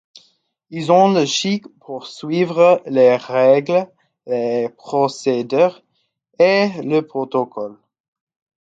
Ils ont le chic pour suivre les règles, les procédures et le protocole.